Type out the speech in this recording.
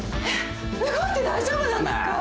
動いて大丈夫なんですか？